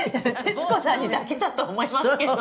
「徹子さんにだけだと思いますけど」